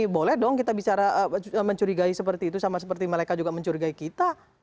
boleh dong kita bicara mencurigai seperti itu sama seperti mereka juga mencurigai kita